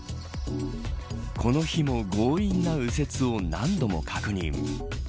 この日も強引な右折を何度も確認。